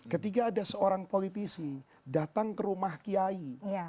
ketika ada seorang politisi datang ke rumah kiai